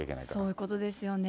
そういうことですよね。